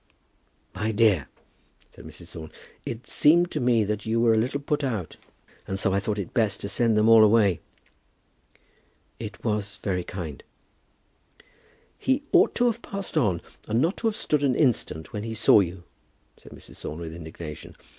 "My dear," said Mrs. Thorne, "it seemed to me that you were a little put out, and so I thought it best to send them all away." "It was very kind." "He ought to have passed on and not to have stood an instant when he saw you," said Mrs. Thorne, with indignation.